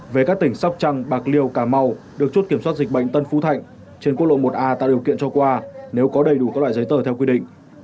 về các tỉnh sóc trăng bạc liêu cà mau được chốt kiểm soát dịch bệnh tân phú thạnh trên quốc lộ một a tạo điều kiện cho qua nếu có đầy đủ các loại giấy tờ theo quy định